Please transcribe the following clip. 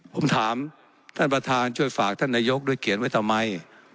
ผมถามท่านประธานช่วยฝากท่านนายกด้วยเขียนไว้ทำไม